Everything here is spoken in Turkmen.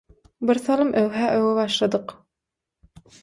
Bir salym «öwh-ä öwe» başladyk.